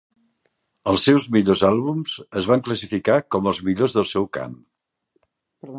Els seus millors àlbums es van classificar com els millors del seu camp.